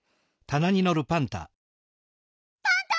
パンタ！